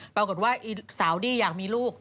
ปรากฏว่าอีสาวดี้อยากมีลูก